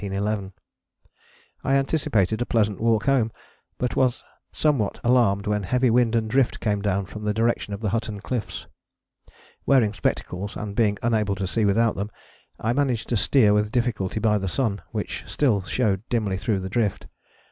I anticipated a pleasant walk home, but was somewhat alarmed when heavy wind and drift came down from the direction of the Hutton Cliffs. Wearing spectacles, and being unable to see without them, I managed to steer with difficulty by the sun which still showed dimly through the drift.